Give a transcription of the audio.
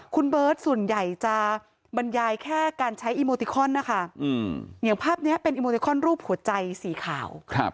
คุณเบิร์ตส่วนใหญ่จะบรรยายแค่การใช้อีโมติคอนนะคะอย่างภาพนี้เป็นอีโมติคอนรูปหัวใจสีขาว